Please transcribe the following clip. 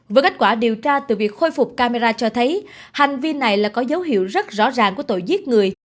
với kết quả điều tra từ việc khôi phục camera cho thấy hành vi này là có dấu hiệu rất rõ ràng của tội giết người